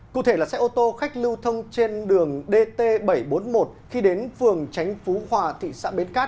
cụ thể là xe ô tô khách lưu thông trên đường dt bảy trăm bốn mươi một khi đến phường tránh phú hòa thị xã bến cát